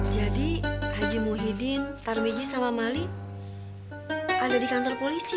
jadi haji muhyiddin tarmizi sama mali ada di kantor polisi